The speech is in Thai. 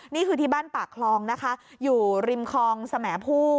นี่คือที่บ้านปากคลองนะคะอยู่ริมคลองสมผู้